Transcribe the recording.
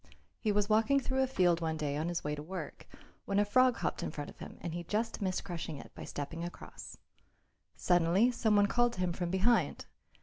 He was walking through a field one day on his way to work, when a frog hopped in front of him and he just missed crushing it by stepping across. Suddenly some one called to him from behind.